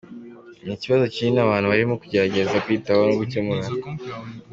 Ni ikibazo kinini abantu barimo kugerageza kwitaho no gukemura.